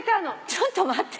ちょっと待って。